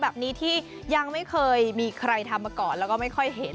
แบบนี้ที่ยังไม่เคยมีใครทำมาก่อนแล้วก็ไม่ค่อยเห็น